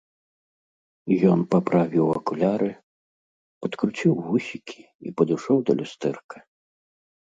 Ён паправіў акуляры, падкруціў вусікі і падышоў да люстэрка.